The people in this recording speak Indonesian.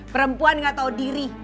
perempuan gak tau diri